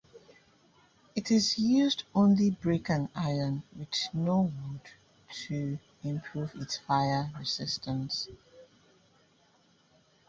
It used only brick and iron, with no wood, to improve its fire-resistance.